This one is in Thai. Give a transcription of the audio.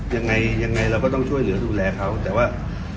ยังไงยังไงเราก็ต้องช่วยเหลือดูแลเขาแต่ว่า